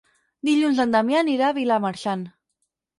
Dilluns en Damià anirà a Vilamarxant.